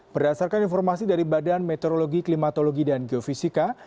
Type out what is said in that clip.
berdasarkan informasi dari badan meteorologi klimatologi dan geofisika